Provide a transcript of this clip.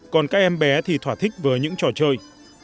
còn các em bé thì thỏa thích với những trò chơi